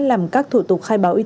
làm các thủ tục khai báo y tế